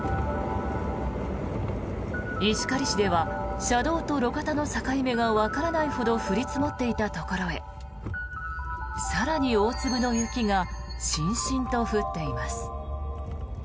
石狩市では、車道と路肩の境目がわからないほど降り積もっていたところへ更に大粒の雪がしんしんと降っています。